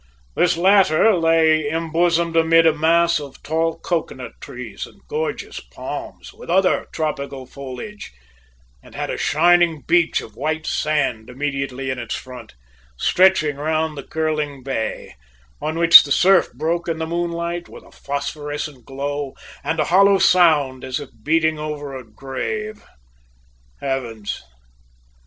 This latter lay embosomed amid a mass of tall cocoanut trees and gorgeous palms, with other tropical foliage, and had a shining beach of white sand immediately in its front, stretching round the curling bay, on which the surf broke in the moonlight, with a phosphorescent glow and a hollow sound as if beating over a grave. Heavens!